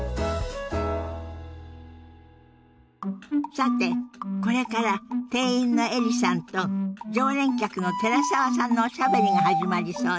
さてこれから店員のエリさんと常連客の寺澤さんのおしゃべりが始まりそうよ。